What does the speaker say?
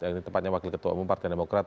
yang ini tepatnya wakil ketua umum partai demokrat